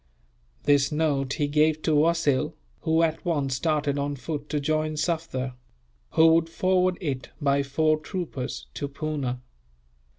This note he gave to Wasil, who at once started on foot to join Sufder; who would forward it, by four troopers, to Poona.